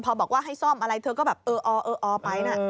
พอบอกว่าให้ซ่อมอะไรเธอก็แบบเอออไปนะ